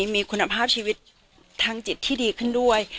มีคุณภาพชีวิตทางจิตที่ดีขึ้นด้วย